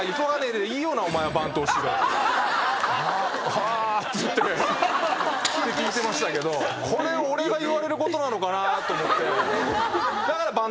「はあ」って言って聞いてましたけどこれ俺が言われることなのかなと思って。